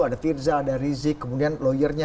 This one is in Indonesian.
ada firza ada rizik kemudian lawyernya